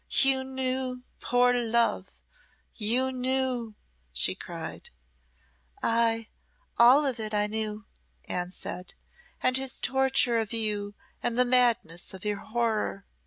"You knew, poor love, you knew!" she cried. "Ay, all of it I knew," Anne said "his torture of you and the madness of your horror.